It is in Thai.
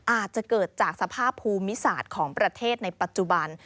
อาจจะเกิดจากสภาพภูมิศาสตร์ของประเทศในปัจจุบัน